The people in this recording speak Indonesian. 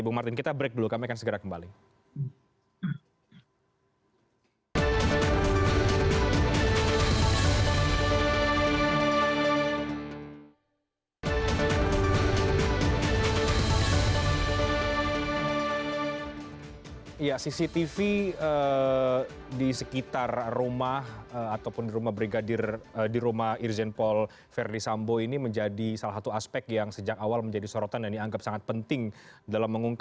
bung martin kita break dulu